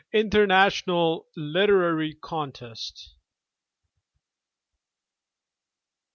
Internaiional Literary Contest.